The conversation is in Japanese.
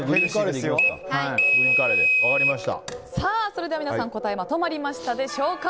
それでは皆さん答えまとまりましたでしょうか。